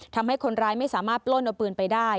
ทำให้คนร้ายไม่สามารถปล้นเอาปืนไปได้